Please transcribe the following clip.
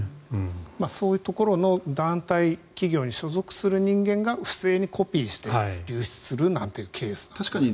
そういうところの団体企業に所属する人間が不正にコピーして流出するケースもありますね。